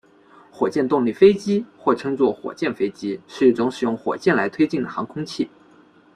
火箭动力飞机或称作火箭飞机是一种使用火箭来推进的航空器。